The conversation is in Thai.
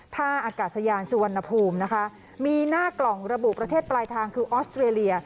ท่าอากาศยานสุวรรณภูมินะคะมีหน้ากล่องระบุประเทศปลายทางคือออสเตรเลีย